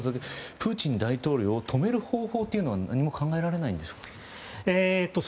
プーチン大統領を止める方法というのは何も考えられないのでしょうか。